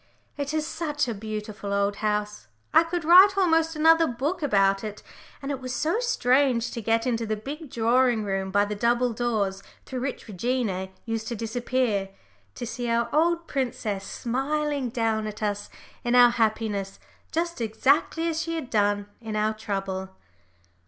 It is such a beautiful old house. I could write almost another book about it, and it was so strange to get into the big drawing room by the double doors through which Regina used to disappear, to see our old princess smiling down at us in our happiness just exactly as she had done in our trouble!